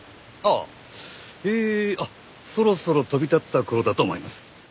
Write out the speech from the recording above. えーあっそろそろ飛び立った頃だと思います。